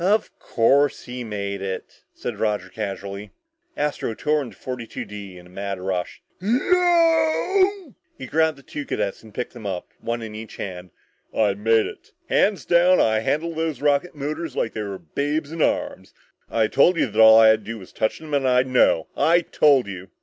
"Of course he made it," said Roger casually. Astro tore into 42 D with a mad rush. "Yeeeoooooowwww!" He grabbed the two cadets and picked them up, one in each hand. "I made it hands down I handled those rocket motors like they were babes in arms! I told you that all I had to do was touch them and I'd know! I told you!"